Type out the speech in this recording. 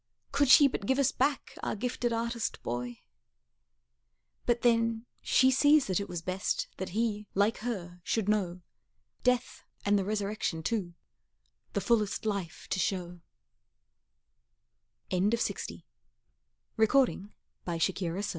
could she but give us back Our gifted artist boy! But then she sees that it was best That he, like her, should know Death, and the Resurrection too, The fullest life to show. A THANK OFFERING. TO MISS ELIZABETH P.